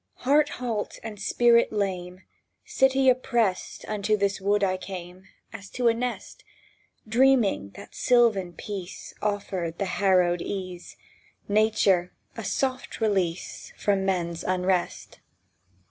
Heart halt and spirit lame, City opprest, Unto this wood I came As to a nest; Dreaming that sylvan peace Offered the harrowed ease— Nature a soft release From men's unrest.